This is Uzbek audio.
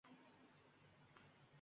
Ikki ming so‘m ber, partiyaga o‘tkazaman